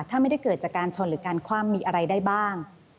ถ้าไม่ได้เกิดจากการชนหรือการคว่ำมีอะไรได้บ้าง